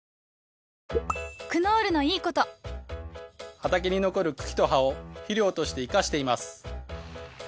畑に残る茎と葉を肥料として活かしています。